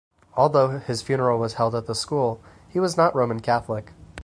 Although his funeral was held at the school, he was not Roman Catholic.